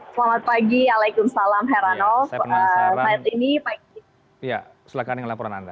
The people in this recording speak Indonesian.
selamat pagi alaikum salam heran of saya penasaran ini pak ya silakan laporan anda